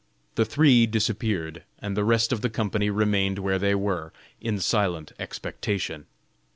The three disappeared, and the rest of the company remained where they were, in silent expectation.